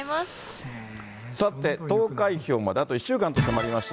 さて、投開票まであと１週間と迫りました